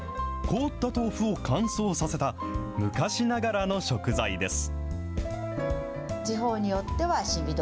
凍った豆腐を乾燥させた、昔ながらの食材です。